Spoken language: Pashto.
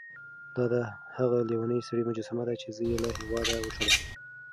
دا د هغه لېوني سړي مجسمه ده چې زه یې له هېواده وشړلم.